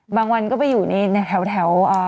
บางวันก็ไปอยู่ในแถว